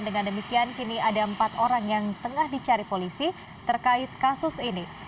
dengan demikian kini ada empat orang yang tengah dicari polisi terkait kasus ini